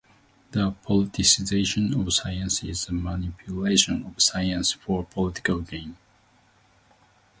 The politicization of science is the manipulation of science for political gain.